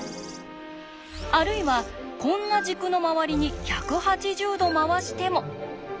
あるいはこんな軸の周りに１８０度回しても。